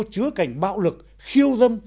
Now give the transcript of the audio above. chứa cảnh bạo lực khiêu dâm